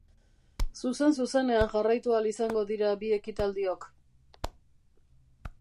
Zuzen-zuzenean jarraitu ahal izango dira bi ekitaldiok.